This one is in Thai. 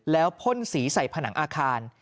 แล้วพ่นสีใส่ผนังอาคาร